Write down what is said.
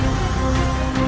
aku akan menangkapmu